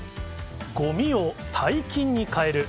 ごみを大金に変える。